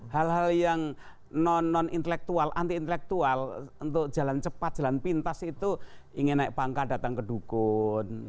hal hal yang non non intelektual anti intelektual untuk jalan cepat jalan pintas itu ingin naik pangka datang ke dukun